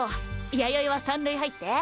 弥生は三塁入って。